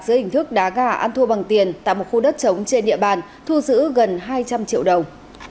giữa hình thức đá gà ăn thua bằng tiền tại một khu đất trống trên địa bàn thu giữ gần hai trăm linh triệu đồng